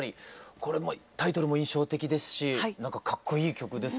これもうタイトルも印象的ですしなんかかっこいい曲ですね。